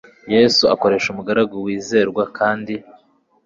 yesu akoresha umugaragu wizerwa kandi